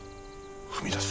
踏み出す。